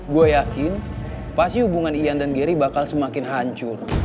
gue yakin pasti hubungan ian dan geri bakal semakin hancur